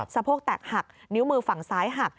สะโพกแตกหักนิ้วมือฝั่งซ้ายหัก